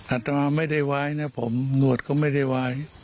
อัตมาไม่ได้ไว้นะผมหนวดก็ไม่ได้ไว้